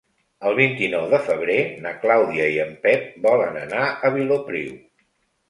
El vint-i-nou de febrer na Clàudia i en Pep volen anar a Vilopriu.